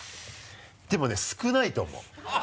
でもね少ないと思う。